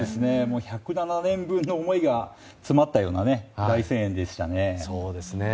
１０７年分の思いが詰まったような大声援でしたね。